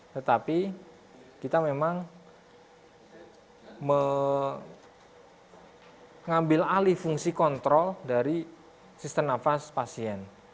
tetapi kita memang mengambil alih fungsi kontrol dari sistem nafas pasien